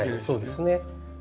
そうですね。